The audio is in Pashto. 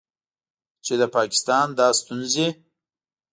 چې د پاکستان دا ستونځې